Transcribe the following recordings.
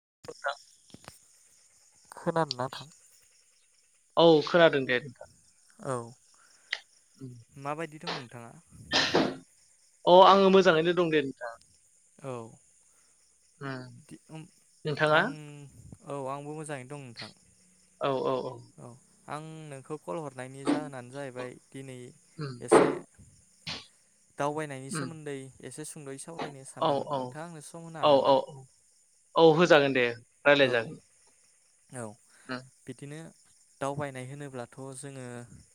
[unintelligible] खोनादोना नोंथां? औ खोनादों दे। औ माबायदि दं नोंथाङा? अ आङो मोजाङैनो दं दे नो औ उम [inaudible] नोंथाङा आं औ आंबो मोजाङैनो दं नोंथां। औ औ औ। आं नोंखौ कल हरनायनि जाहोनानो जाहैबाय दिनै उम एसे दावबायनायनि उम सोमोन्दै एसे सुंदयै सावरायनो सान औ औ औ औ औ औ होजागोन दे रायलाय औ जागोन औ बिदिनो दावबायनाय होनोब्लाथ' जोङो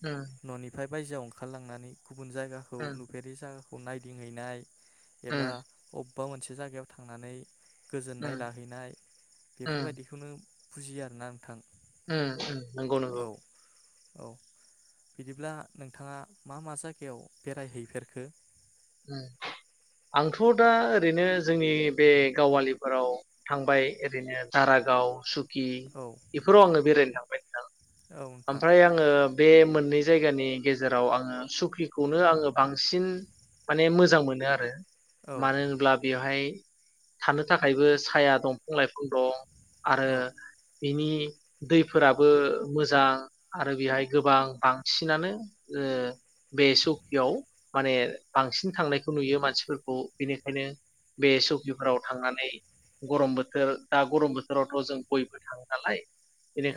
उम न'निफ्राय बायजोआव ओंखारलांनानै गुबुन जायगाखौ उम नुफेरि जा खौ नायदिंहैनाय उम एबा अ बबेबा मोनसे जायगायाव थांनानै गोजोननाय उम लाहैनाय उम बेफोरबायदिखौनो बुजियो आरोना नोंथां नंगौ औ नंगौ औ बिदिब्ला नोंथाङा मा मा जायगायाव बेरायहैफेरखो आंथ' दा ओरैनो जोंनि बे गावालिफोराव थांबाय ओरैनो दारागाव सु ओ औ बेफोराव आङो बेरायनो थां औ नोंथां ओमफ्राय आङो बे मोननै जायगानि गेजेराव आङो सुखिखौनो आङो बांसिन माने मोजां मोनो आरो औ मानो होनब्ला बेवहाय थानो थाखायबो साया दंफां लाइफां दं आरो औ बिनि दैफोराबो मोजां आरो बेहाय गोबां बांसिनानो बे सकियाव माने बांसिन थांनायखौ नुयो मानसिफोरखौ बेनिखायनो बे सकिफोराव थांनानै गरम बोथोर दा गरम बोथोरावथ' जों बयबो थाङो नालाय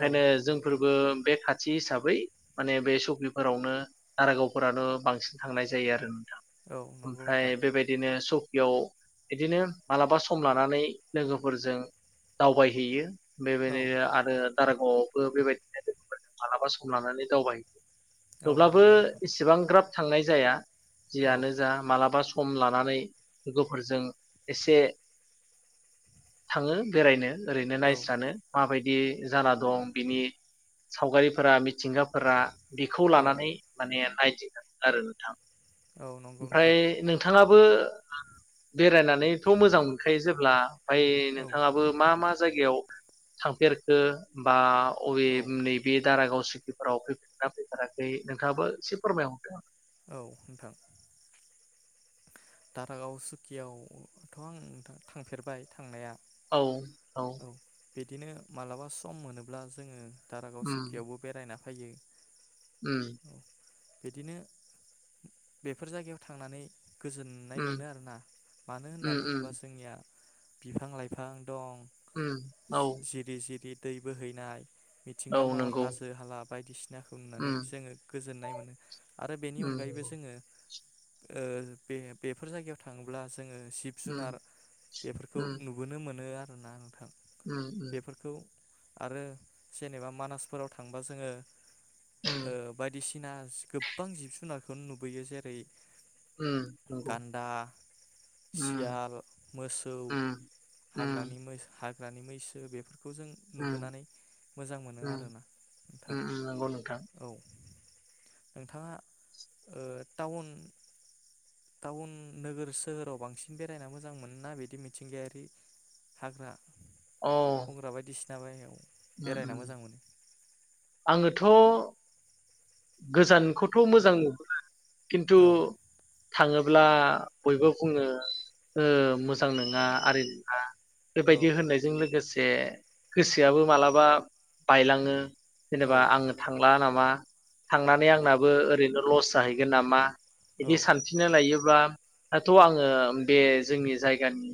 औ नंगौ नोंथां जोंफोरबो बे खाथि खाथि हिसाबै माने बे सकिफोरावनो दारागावफोरानो बांसिन थांनाय जायो आरो नोंथाङा औ नंगौ ओमफ्राय नोंथां बेबायदिनो स बेयाव बिदिनो मालाबा सम लानानै लोगोफोरजों दावबायहैयो औ बेबायदिनो आरो दारागावआवबो बेबायदिनो लोगोफोरजों मालाबा सम लानानै दावबायायो औ थेवब्लाबो नंगौ नोंथां इसेबां ग्राब थांनाय जाया औ जियानो जा मालाबा सम लानानै लोगोफोरजों एसे थाङो बेरायनो। ओरैनो औ नायस्रानो माबायदि जाना दं बिनि सावगारिफोरा मिथिंगाफोरा बेखौ औ लानानै माने नायदिङो आरो नोंथां। औ नंगौ ओमफ्राय नोंथां नोंथाङा बो बेरायनानैथ' मोजां मोनखायो जेब्ला ओमफ्राय औ नोंथाङाबो मा मा जायगायाव थांफेरखो बा अबे औ नैबे दारागाव फोराव फफेरगोना फैफेराखै नोंथाङाबो एसे फोरमायहरदों। औ नोंथां। दारागाव सुकियावथ' आं थांफेरबाय थांनाया। औ औ। बिदिनो मालाबा सम मोनोब्ला जोङो दारागाव उम सुकियावबो बेरायना फैयो। उम। औ बिदिनो बेफोर जायगायाव थांनानै गोजोननाय उम मोनो आरोना मानो होनना उम बुङोब्ला उम जोंनिया बिफां- लाइफां, दं उम औ। जिरि जिरि दै बोहैनाय, औ मिथिंगा महर नंगौ हाजो -हाला बायदिसिनाखौ नुनानै उम जोङो गोजोननाय मोनो आरो बेनि उम अनगायैबो जोङो- ओ। बे बेफोर जायगायाव थाङोब्ला जोङो जिब- जुनार उम बेफोरखौ उम नुबोनो मोनो ना नोंथां। उम। बेफोरखौ आरो जेनेबा मानासफोराव थांबा जोङो उम बायदिसिना गोबां जिब- जुनारखौ नुबोयो जेरै- उम नंगौ गान्दा, उम सियाल, मोसौ, उम उम हाग्रानि मैसो बे बेफोरखौ जों उम नुबोनानै मोजां मोनो उम आरोना नोंथां उम नंगौ नोंथां औ नोंथाङा टाउन टाउन नोगोर सोहोराव बांसिन बेरायना मोजां मोना बिदि मिथिंगायारि हाग्रा अ बुंंग्रा बायदिसिना जाबायाव आङोथ' गोजानखौथ' मोजां मोन खिन्थु औ थाङोब्ला बयबो बुङो मोजां नङा आरि नङा। औ बेबायदि होननायजों लोगोसे जे गोसोआबो मालाबा बायलाङो औ जेनेबा आंनो थांला नामा थांनानै आंनाबो ओरैनो लस जाहैगोन नामा? बिदि औ सानफिनना लायोबा दाथ' आङो बे जोंनि जायगानि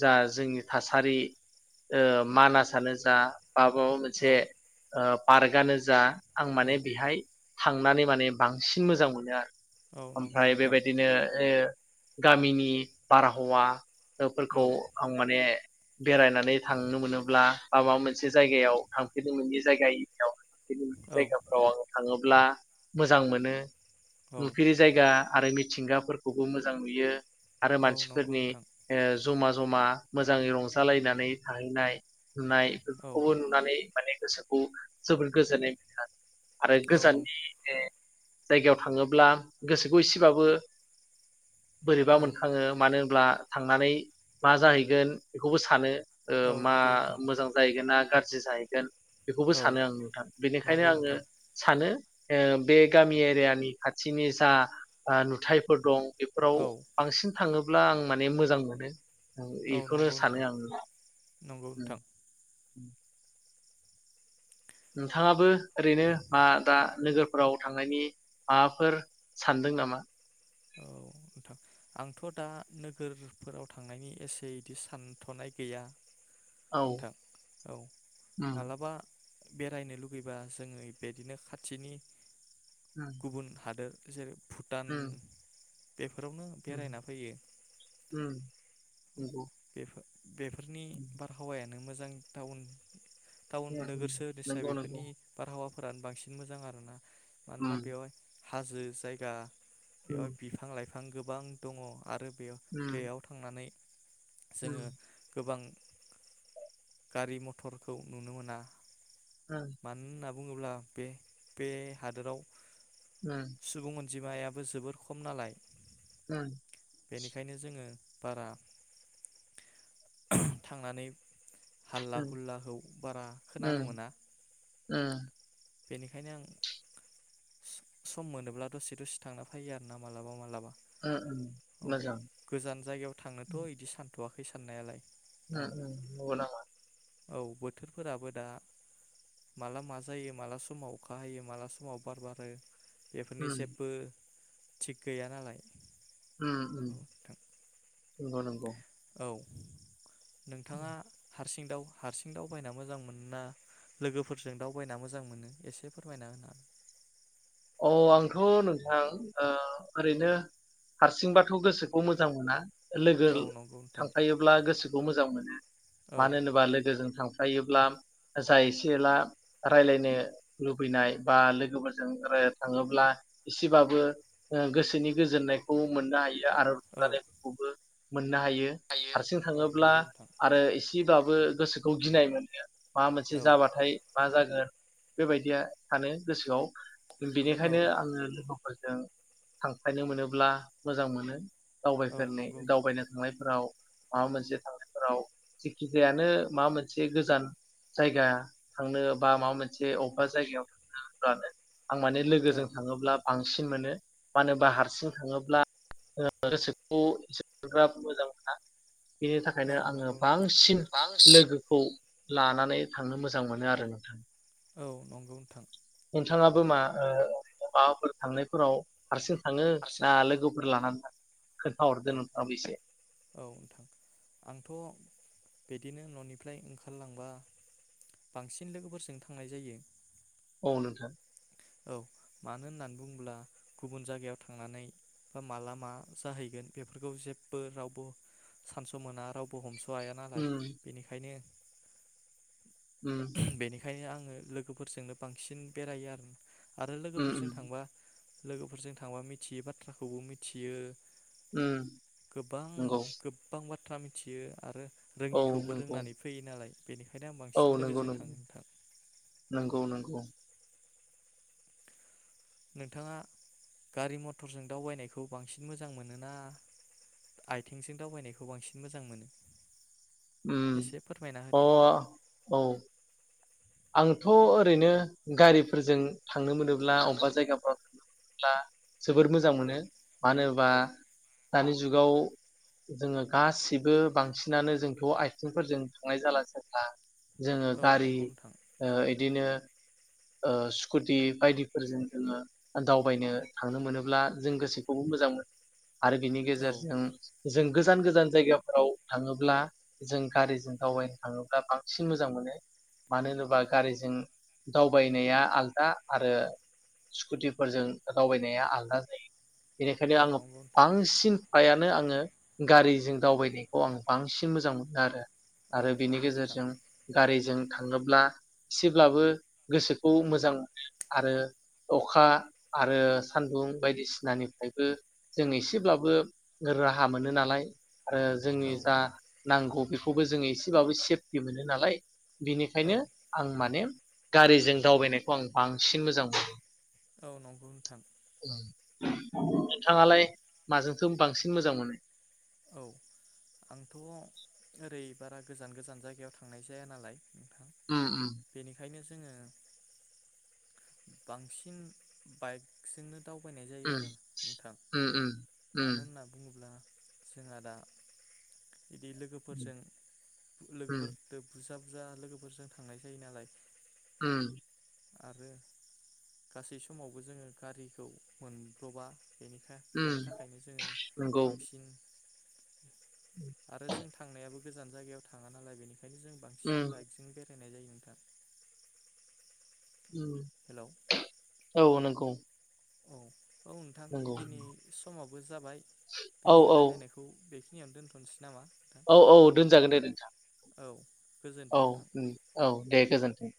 जा जोंनि थासारि ओ मानासानो जा [unintelligible] औ मोनसे ओ पार्कआनो जा आं माने औ बेहाय थांनानै माने बांसिन मोजां मोनो आरो। औ नंगौ ओमफ्राय नोंथां बेबायदिनो ए गामिनि बारहावा [unintelligible] औ फोरखौ आं माने बेरायनानै थांनो मोनोब्ला बा माबा मोन मोनसे जायगायाव थांफेरदोंमोन बे जायगाययाव [unintelligible] औ जायगाफोराव आङो थाङो ब्ला मोजां मोनो। औ नुफेरि जायगा आरो मिथिंगाफोरखौबो मोजां नुयो। आरो औ नंगौ मानसिफोरनि नोंथां ओ जमा जमा मोजाङै रंजालायनानै थाहैनाय नुनाय औ गुबुन नुनानै माने गोसोखौ जोबोर गोजोन्नाय हा आरो औ नं गोजाननि ए जायगायाव थाङोब्ला गोसोखौ एसेबाबो बोरैबा औ मोनखाङो मानो ब्ला थांनानै मा जाहैगोन बेखौबो सानो। ओ औ मा नंगौ नोंथां मोजां जाहैगोना गारजि जाहैगोन बेखौबो औ सानो आं नोंथां, बेनिखायनो नंगौ आङो नोंथां सानो ओ बे गामि एरियानि खाथिनि जा ओ नुथाइफोर दं। बेफोराव औ बांसिन थाङो। अब्ला आं माने मोजां मोनो। ओं औ एखौनो नंगौ सानो नोंथां आङो। [inaudible] नंगौ नोंथां नोंथाङाबो ओरैनो मा दा नोगोरफोराव थांनायनि माबाफोर सानदों नामा? औ नोंथां, आंथ' दा नोगोरफोराव थांनायनि एसे इदि सानथ'नाय गैया। औ नोंथां औ उम मालाबा बेरायनो लुुबैबा जोङो बिदिनो खाथिनि उम गुबुन हादोर जों उम भुटान बेफोरावनो उम बेरायना फैयो। उम नंगौ बेफो बेफोरनि बारहावा नों मोजां टाउन टाउन उम उम नोगोर सोरनिसाय नंगौ नंगौ बेफोरनि बारहावा फोरानो बांसिन मोजां आरो ना। मानोना उम बेयावहाय हाजो जायगा बेयावहाय उम बिफां लाइफ फां गोबां दङ। आरो बेयाव उम बेयाव थांनानै जोङो उम गोबां गारि मथरखौ नुनो मोना। उम माननाब बुङोब्ला बे बे हादोराव उम बिमायाबो जोबोर खम नालाय। उम्म। बेनिखायनो जोंङो। बारा [unintelligible] थांनानै हाल्ला हुलाखौ बारा खोनानो मोना। उम्म। बेनिखायनो आं सम मोनोब्ला दसे दसे थांना फैयो आरो ना मालाबा मालाबा। उम उम औ मोजां गोजान जायगायाव थांनोथ' बिदि सान थवाखै साननायालाय। दा उम्म उम्म नंगौ नामा? औ बोथोरफोराबो दा माला मा जायो माला समाव अखा हायो माला समाव बार बारो बेफोरनि उम जेबो थिग गैया नालाय। उम्म उम्म। औ नोंथां नोंगौ नंगौ। औ। नोंथाङा हा हारसिं दावउ हारसिं दावबायना मोजां मोनो ना लोगोफोरजों दावबायना मोजां मोनो एसे फोरमायना होनो हागोन। अ आंथ' नोंथां ओ ओरैनो हारसिंबाथ' गोसोखौ मोजां मोना। लोगो हागोन औ नंगौ नोंथां थांफायोब्ला गोसोखौ मोज जां मोनो। औ मानो होनोबा लोगोजों थांफा जायोब्ला जा एसे एला राय्लायनो लुबैनाय बा लोगोफोरजों थाङोब्ला एसेबाबो गोसोनि गोजोननायखौ मोननो हायो। आरो औ [unintelligible] मोननो हायो हारसिं औ थाङोब्ला नंगौ नोंथां आरो इसि बाबो गोसोखौ गिनाय मोनो। माबा मोनसे औ जाबाथाय मा जागोन बेबायदिया सानो गोसोआव औ बेनिखायनो आंङो लोगो फोरजों थांफानो मोनोब्ला मोजां मोनो। औ दावबायफेरनाय नंगौ दावबायनो थांनाय फोराव माबा मोनसे थांनायफोराव जेखिजायानो माबा मोनसे गोजान जायगा थांनो बा माबा मोनसे अबेबा जायगायाव थांनो होनब्लानो। आं माने औ लोगोजों थाङोब्ला बां बांसिन मोनो मानो होनोबा हारसिं थाङोब्ला गोसोखौ बारा मोजां मोना। बिनि औ थाखायनो आङो नंगौ नोंथां बांसिन बांसिन लोगोखौ लानानै थांनो मोजां मोनो आरो नोंथां। औ नंगौ नोंथां नोंथाङाबो मा ओ माबाफोर थांनायफोराव हारसिं थाङो हारसिं ना लोगोफोर लानानै खोन्थाहरदो औ नोंथाङाबो एसे औ नोंथां आंथ' बिदिनो न'निफ्राय ओंखारलांबा बांसिन लोगोफोरजों थांनाय जायो। औ नोंथां औ मानो होननानै बुङोब्ला गुबुन जायगायाव थांनानै बा माला मा जाहैगोन बेफोरखौ जेबो रावबो सानस' मोना रावबो हमस' हाया नालाय उम बेनिखायनो उम ओंखायनो आङो लोगोफोरजोंनो बांसिन बेरायो आरो आरो उम लोगोफोरजों उम थांबा लोगोफोरजों थांबा मिथियै बाथ्राखौबो मिथियो उम गोबां नंगौ गोबां बाथ था मिथियो आरो औ रोङिखौबो नंगौ रोंनानै फैयो नालाय बेनिखायनो आं औ बांसिन नंगौ लोगोजों थाङो नंगौ नोंथां नंगौ औ नंगौ नोंथाङा गारि मथरजों दावबायनायखौ बांसिन मोजां मोनो ना आथिंजों दावबायनायखौ बांसिन मोजां मोनो उम एसे फोरमायना अ होदो औ आंथ' ओरैनो गारिफोरजों थांनो मोनोब्ला अबबा जायगाफ्राव हा जोबोर मोजां औ मोनो मानोबा औ दानि जुगाव जोङो गासिबो बांसिनानो जोंथ' आथिंफोरजों थांनाय जाला जेब्ला जोङो औ गारि नंगौ नोंथां ओ इदिनो ओ स्कुटि बायदिफोरजों जोङो दावबायनो थांनो मोनोब्ला जों गोसोखौबो मोजां मोन आरो बिनि औ गेजेरजों जों गोजान गोजान जायगाफोराव थाङोब्ला जों गारिजों दावबायनो थाङोब्ला बांसिन मोजां मोनो मानो होनोबा गारिजों दावबायनाया आलदा आरो स्कुटिफोरजों दावबायनाया आलदा जायो बेनिखायनो औ आङ नंगौ नोंथां बांसिन फायानो आङो गारिजों दावबायनायखौ आं बांसिन मोजां मोनो आरो आरो औ बेनि नंगौ नोंथां गेजेरजों गारैस थाङोब्ला एसेब्लाबो गोसोखौ मोजां मोनो आरो अखा आरो सान्दुं बायदिसिनानिफायबो जों एसेब्लाबो राहा मोनो नालाय। आरो औ जोंनि जा नांगौ बेखौबो जोङो एसेबाबो सेफटि मोनो नालाय। बिनिखायनो औ आं माने गारिजों दावबायनायखौ आं बांसिन मोजां मोनो। औ नंगौ नोंथां। नोंथाङालाय माजोंथो बांसिन मोजां मोनो? औ आंथ' ओरै बारा गोजान गोजान जायगायाव थांनाय जाया नालाय। उम उम जो बांसिन बाइकजोंनो दावबायनाय जायो आरो नोंथां उम उम उम मानो होनना बुङोब्ला जोंहा दा इदि उम लोगोफोरजों उम लोगोफोरदो बुजा जा लोगोफोरजों थांनाय जायो नालाय। उम आरो गासै समावबो जोङो गारिखौ मोनब्र'बा। बेनिखा बेनि उम थाखायनो जोङो नंगौ बांसिन उम आरो जों थांनायाबो गोजान जायगायाव थाङा नालाय बेनि ओंखायनो जों बांसिन बाइकजों बे रानाय जायो नोंथा उम औ नंगौ औ औ नोंथां नंगौ दिनै समाबो जाबाय औ दिनै औ रायलायनायखौ बे खिनियाव दोनथ'नोसै नामा? नोंथां औ औ दोनजागोन दे नोंथां। औ औ गोजोन्थों नोंथां उम औ दे गोजोनथों।